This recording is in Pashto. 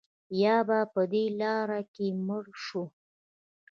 یا به په دې لاره کې مړه شو.